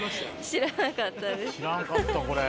知らなかったこれ。